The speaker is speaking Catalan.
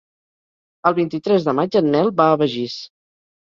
El vint-i-tres de maig en Nel va a Begís.